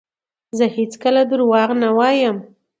زه هیڅکله درواغ نه وایم.